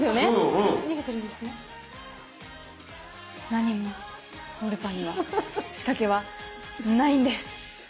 何もロールパンには仕掛けはないんです。